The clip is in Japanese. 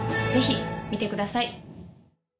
ぜひ見てください。